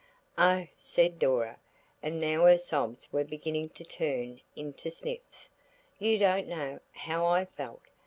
"Oh," said Dora, and now her sobs were beginning to turn into sniffs, "you don't know how I felt!